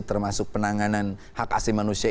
termasuk penanganan hak asli manusia